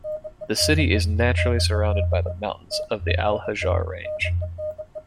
The city is naturally surrounded by the mountains of the Al Hajar Range.